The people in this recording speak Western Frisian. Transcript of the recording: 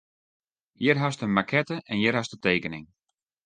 Hjir hast de makette en hjir hast de tekening.